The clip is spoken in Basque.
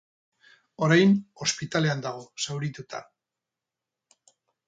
Orain, ospitalean dago, zaurituta.